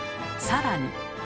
更に。